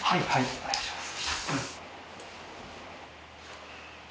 お願いします。